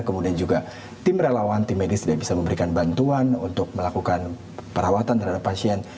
kemudian juga tim relawan tim medis tidak bisa memberikan bantuan untuk melakukan perawatan terhadap pasien